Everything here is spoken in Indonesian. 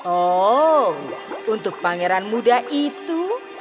oh untuk pangeran muda itu